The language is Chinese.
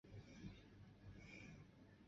高立仁是仁和医院精神科高级医生。